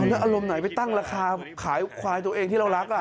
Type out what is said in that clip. แล้วอารมณ์ไหนไปตั้งราคาขายควายตัวเองที่เรารัก